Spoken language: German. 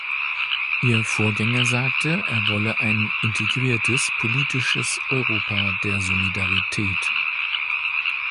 Ihr Vorgänger sagte, er wolle ein integriertes, politisches Europa der Solidarität.